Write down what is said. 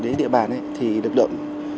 đến địa bàn thì lực lượng